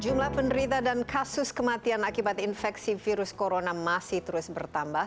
jumlah penderita dan kasus kematian akibat infeksi virus corona masih terus bertambah